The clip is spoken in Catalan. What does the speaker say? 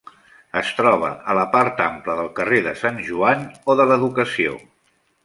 Es troba a la part ampla del carrer de Sant Joan o de l'Educació.